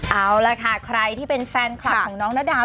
เอาล่ะค่ะใครที่เป็นแฟนคลับของน้องนาดา